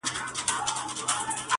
یو عطار وو یو طوطي یې وو ساتلی.!